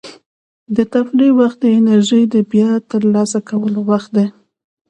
د تفریح وخت د انرژۍ د بیا ترلاسه کولو وخت دی.